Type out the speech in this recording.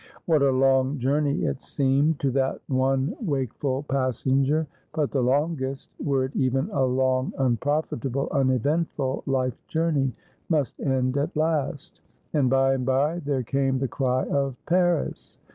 What a long journey it seemed to that one wake ful passenger ! but the longest — were it even a long unprofitable, uneventful life journey — must end at last; and by and by there came the cry of 'Paris!'